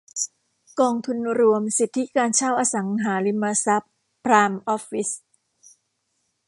กองทุนรวมสิทธิการเช่าอสังหาริมทรัพย์ไพร์มออฟฟิศ